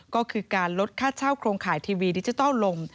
ก็คือการลดค่าเช่าโครงข่ายทีวีดิจิทัลลม